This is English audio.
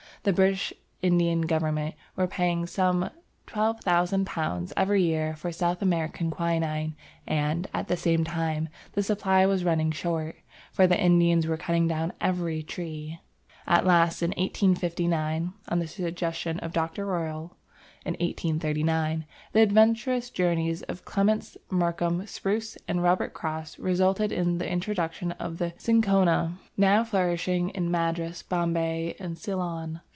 The British Indian government were paying some £12,000 every year for South American quinine and, at the same time, the supply was running short, for the Indians were cutting down every tree. At last, in 1859 (on the suggestion of Dr. Royle in 1839), the adventurous journeys of Clements Markham, Spruce, and Robert Cross resulted in the introduction of the Cinchona now flourishing in Madras, Bombay, and Ceylon.